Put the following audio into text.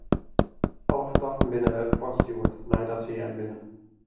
Alle fertochten binne wer fuortstjoerd neidat se heard binne.